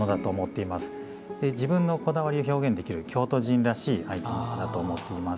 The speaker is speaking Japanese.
自分のこだわりを表現できる京都人らしいアイテムかなと思っています。